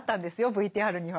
ＶＴＲには。